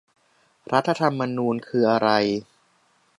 รัฐธรรมนูญคืออะไร ?